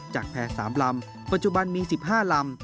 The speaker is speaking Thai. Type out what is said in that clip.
แพร่๓ลำปัจจุบันมี๑๕ลำ